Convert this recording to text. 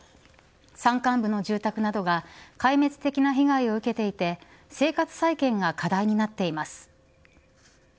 山間部の住宅などが壊滅的な被害を受けていて生活再建が課題になっています。